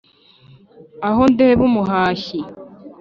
Aho ndeba umuhashyi